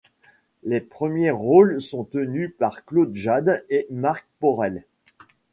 Les premiers rôles sont tenus par Claude Jade et Marc Porel.